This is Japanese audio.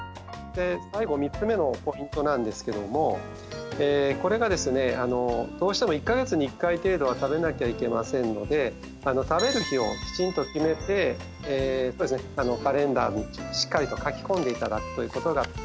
で最後３つ目のポイントなんですけどもこれがですねどうしても１か月に１回程度は食べなきゃいけませんので食べる日をきちんと決めてカレンダーにしっかりと書き込んで頂くということが。